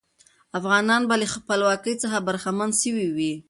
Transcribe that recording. افغانان به له خپلواکۍ څخه برخمن سوي وي.